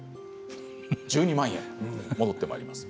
１２万円、戻ってまいります。